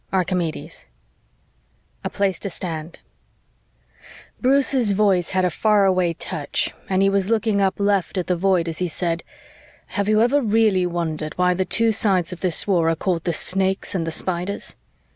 Archimedes A PLACE TO STAND Bruce's voice had a faraway touch and he was looking up left at the Void as he said, "Have you ever really wondered why the two sides of this war are called the Snakes and the Spiders?